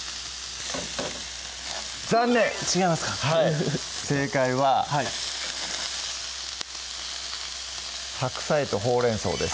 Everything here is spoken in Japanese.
違いますか正解ははい白菜とほうれん草です